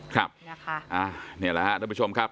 ครับนะคะนี่แหละครับท่านผู้ชมครับ